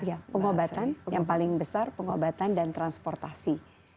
iya pengobatan yang paling besar pengobatan dan transportasi